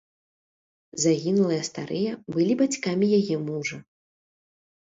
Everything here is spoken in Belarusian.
Загінулыя старыя былі бацькамі яе мужа.